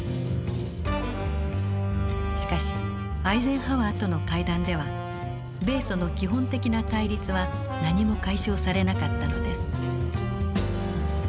しかしアイゼンハワーとの会談では米ソの基本的な対立は何も解消されなかったのです。